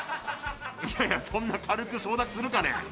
いやいやそんな軽く承諾するかね。